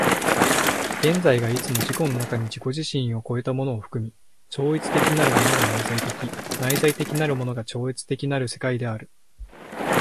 現在がいつも自己の中に自己自身を越えたものを含み、超越的なるものが内在的、内在的なるものが超越的なる世界である。